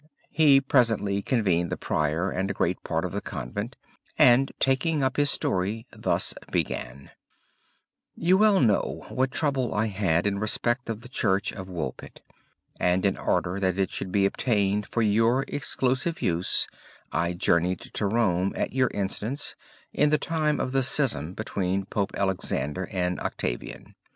He presently convened the prior and great part of the convent, and taking up his story thus began: 'You well know what trouble I had in respect of the church of Woolpit; and in order that it should be obtained for your exclusive use I journeyed to Rome at your instance, in the time of the schism between Pope Alexander and Octavian.